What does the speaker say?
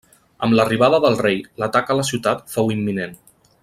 Amb l'arribada del rei, l'atac a la ciutat fou imminent.